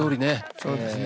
そうですね。